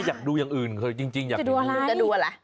ไม่อยากดูอย่างอื่นจริงเดี๋ยวดูอะไร